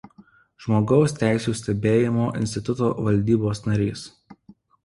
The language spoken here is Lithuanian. Žmogaus teisių stebėjimo instituto valdybos narys.